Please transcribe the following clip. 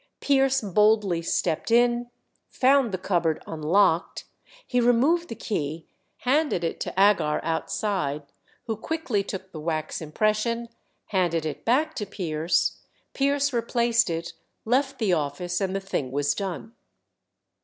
Pierce boldly stepped in, found the cupboard unlocked; he removed the key, handed it to Agar outside, who quickly took the wax impression, handed it back to Pierce; Pierce replaced it, left the office, and the thing was done.